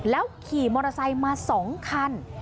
ขี่มอเตอร์ไซค์มา๒คัน